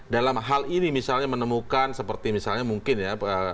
dalam hal ini misalnya menemukan seperti misalnya mungkin ya